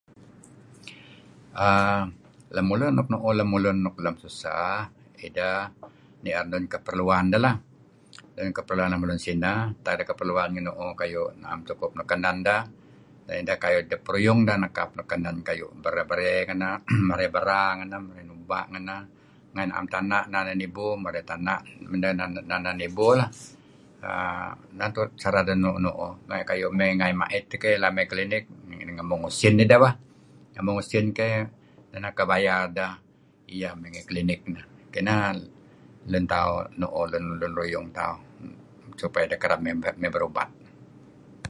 Lemulun nuk nuuh lemulun nuk tusah ideh nier enun nuk keperluan dah lah enun nuk keperluan lemulun sinah marey keperluan kayu' naem sukup nuk kanen deh may kayu' dah pruyung nekap nuk kanen nuk barey-barey kayu' marey bera ngadah nuba' nganah naem tana' inan dah nibu marey tana inan dah nibu uhm inah cara dah nuuh. Kayu' lun nuk mait nga' may clinic, ngemung usin nidah bah. Ngemung usin keh inan nuk kuh bayar iyh may ngi clinic nah. Nah lun tauh nuuh lun ruyung tauh. Supayah ideh kereb may b erubat.